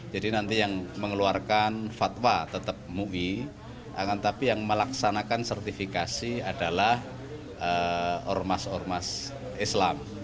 jadi nanti yang mengeluarkan fatwa tetap mui akan tapi yang melaksanakan sertifikasi adalah ormas ormas islam